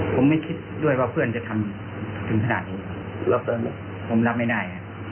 ผมก็อยากจะถามเขาว่า